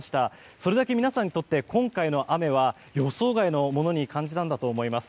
それだけ皆さんにとって今回の雨は予想外のものに感じたんだと思います。